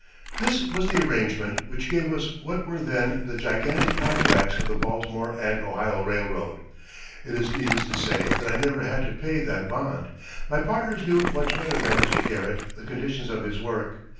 This was the arrangement which gave us what were then the gigantic contracts of the Baltimore and Ohio Railroad. It is needless to say that I never had to pay that bond. My partners knew much better than Mr. Garrett the conditions of his work.